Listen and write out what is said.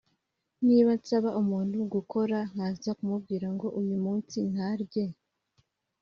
niba nsaba umuntu gukora nkaza kumubwira ngo uyu munsi ntarye